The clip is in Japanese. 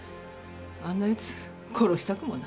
あんなやつ殺したくもない。